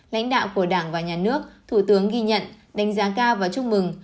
lãnh đạo của đảng và nhà nước thủ tướng ghi nhận đánh giá cao và chúc mừng